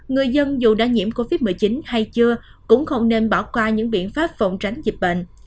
người dân dù đã nhiễm covid một mươi chín hay chưa cũng không nên bỏ qua những biện pháp phòng tránh dịch bệnh